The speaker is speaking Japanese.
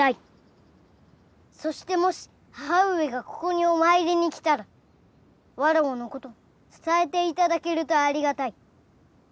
そしてもし母上がここにお参りに来たらわらわの事伝えて頂けるとありがたい。